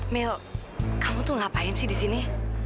mel kamu tuh ngapain sih disini